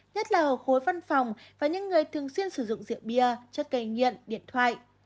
nhất là hồ khối văn phòng và những người thường xuyên sử dụng rượu bia chất cây nhiện điện thoại